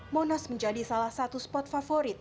monas menjadi salah satu spot favorit